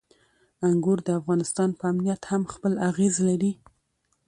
انګور د افغانستان په امنیت هم خپل اغېز لري.